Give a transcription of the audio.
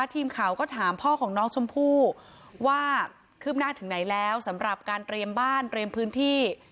ทีมข่าวก็ถามพ่อของน้องชมพู่ว่าคืบหน้าถึงไหนแล้วสำหรับการเตรียมบ้านเตรียมพื้นที่